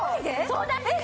そうなんです！